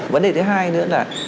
vấn đề thứ hai nữa là